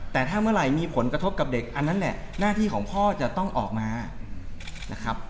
แต่ถ้าเมื่อไหร่มีผลกระทบกับเด็กอันนั้นแหละหน้าที่ของพ่อจะต้องออกมานะครับ